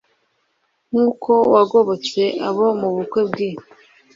nk'uko wagobotse abo mu bukwe bw'i